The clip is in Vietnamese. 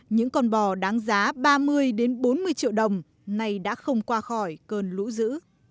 những con bò đáng giá ba mươi bốn mươi triệu đồng nay đã không qua khỏi cơn lũ dữ